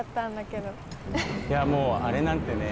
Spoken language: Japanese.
いやもうあれなんてね。